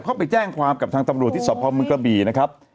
ไปแจ้งความกับทางตำรวจที่สพเมืองกระบี่นะครับ